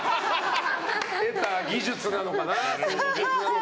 得た技術なのかな。